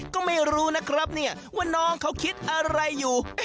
ก็ไม่รู้นะครับเนี่ยว่าน้องเขาคิดอะไรอยู่